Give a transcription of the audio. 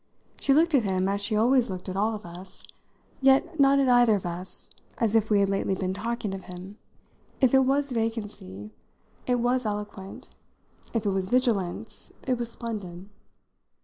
She looked at him as she always looked at all of us, yet not at either of us as if we had lately been talking of him. If it was vacancy it was eloquent; if it was vigilance it was splendid.